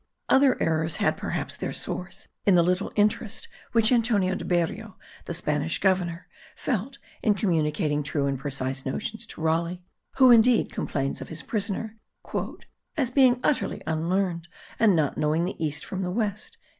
Other errors had perhaps their source in the little interest which Antonio de Berrio, the Spanish governor, felt in communicating true and precise notions to Raleigh, who indeed complains of his prisoner, "as being utterly unlearned, and not knowing the east from the west."